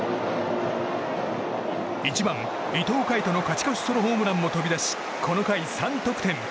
１番、伊藤櫂人の勝ち越しソロホームランも飛び出しこの回、３得点。